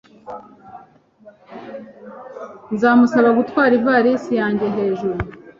Nzamusaba gutwara ivalisi yanjye hejuru